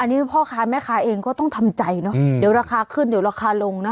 อันนี้พ่อค้าแม่ค้าเองก็ต้องทำใจเนอะเดี๋ยวราคาขึ้นเดี๋ยวราคาลงนะ